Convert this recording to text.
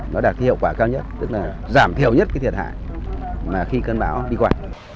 nó đạt cái hiệu quả cao nhất tức là giảm thiểu nhất cái thiệt hại là khi cơn bão đi qua